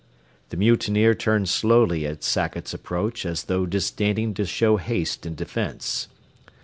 The mutineer turned slowly at Sackett's approach as though disdaining to show haste in defence.